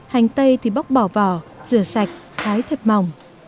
hành tây thì bóc bỏ vỏ rửa sạch thái thịt mỏng